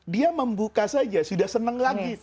dia membuka saja sudah senang lagi